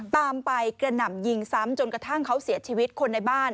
ตามไปกระหน่ำยิงซ้ำจนกระทั่งเขาเสียชีวิตคนในบ้าน